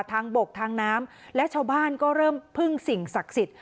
ทางบกทางน้ำและชาวบ้านก็เริ่มพึ่งสิ่งศักดิ์สิทธิ์